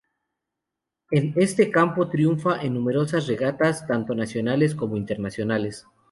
En este campo triunfa en numerosas regatas, tanto nacionales como internacionales.